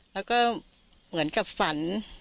แล้วก็เหมือนกับฝัน